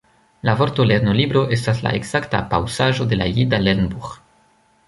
La vorto lernolibro estas la ekzakta paŭsaĵo de la jida lernbuĥ.